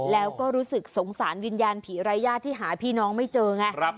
แล้วก็รู้สึกสงสารวิญญาณผีรายญาติที่หาพี่น้องไม่เจอไง